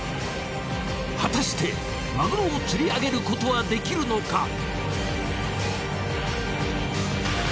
果たしてマグロを釣り上げることはできるのか？